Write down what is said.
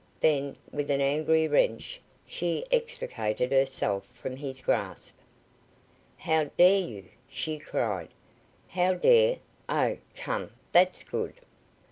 Then, with an angry wrench, she extricated herself from his grasp. "How dare you!" she cried. "How dare? Oh, come, that's good."